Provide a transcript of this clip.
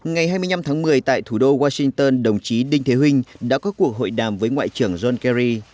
ngày hai mươi năm tháng một mươi tại thủ đô washington đồng chí đinh thế huynh đã có cuộc hội đàm với ngoại trưởng john kerry